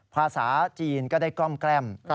ภาษาจีนก็ได้กล้อมแกล้ม